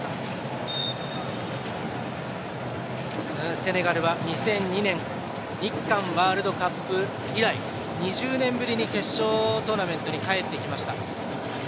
セネガルは、２００２年日韓ワールドカップ以来２０年ぶりに決勝トーナメントに帰ってきました。